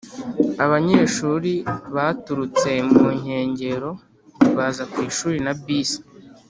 abanyeshuri baturutse mu nkengero baza ku ishuri na bisi.